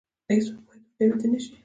هیڅوک باید وږی ونه ویده شي.